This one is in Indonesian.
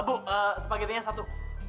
bu spagettinya satu